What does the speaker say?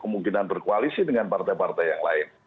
kemungkinan berkoalisi dengan partai partai yang lain